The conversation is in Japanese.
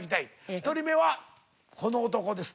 １人目はこの男です。